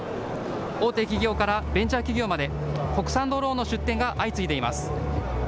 大手企業からベンチャー企業まで、国産ドローンの出展が相次いでいます。